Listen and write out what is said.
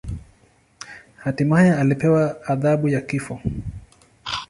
Hatimaye alipewa adhabu ya kifo.